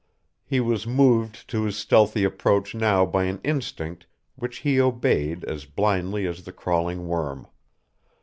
He was moved to his stealthy approach now by an instinct which he obeyed as blindly as the crawling worm.